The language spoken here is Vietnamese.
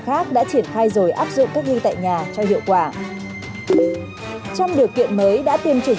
khác đã triển khai rồi áp dụng cách ly tại nhà cho hiệu quả trong điều kiện mới đã tiêm chủng